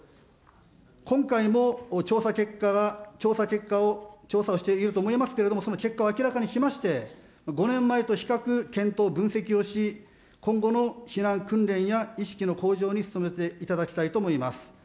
今回も調査結果を、調査をしていると思いますけれども、結果を明らかにしまして、５年前と比較、検討、分析をし、今後の避難訓練や意識の向上に努めていただきたいと思います。